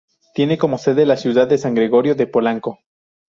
Tiene como sede la ciudad de San Gregorio de Polanco.